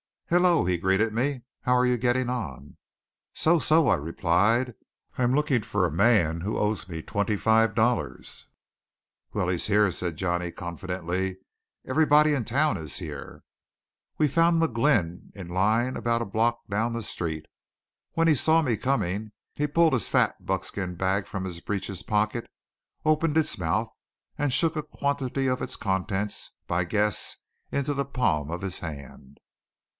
"Hullo!" he greeted me. "How you getting on?" "So so!" I replied. "I'm looking for a man who owes me twenty five dollars." "Well, he's here," said Johnny confidently. "Everybody in town is here." We found McGlynn in line about a block down the street. When he saw me coming he pulled a fat buckskin bag from his breeches pocket, opened its mouth, and shook a quantity of its contents, by guess, into the palm of his hand.